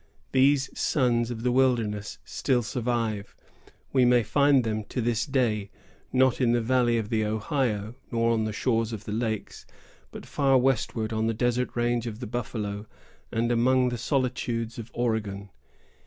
These sons of the wilderness still survive. We may find them to this day, not in the valley of the Ohio, nor on the shores of the lakes, but far westward on the desert range of the buffalo, and among the solitudes of Oregon.